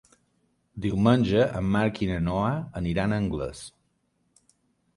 Diumenge en Marc i na Noa aniran a Anglès.